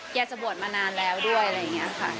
จะบวชมานานแล้วด้วยอะไรอย่างนี้ค่ะ